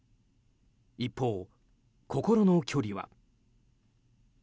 一方、心の距離は。